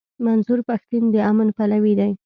منظور پښتين د امن پلوی دی.